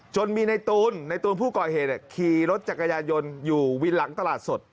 จนมีในตูนในตูนผู้ก่อเหตุขี่รถจักรยานยนต์อยู่วินหลังตลาดสด